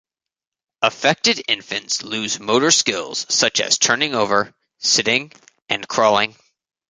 Affected infants lose motor skills such as turning over, sitting, and crawling.